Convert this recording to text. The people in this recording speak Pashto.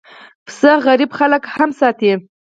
پسه غریب خلک هم ساتي.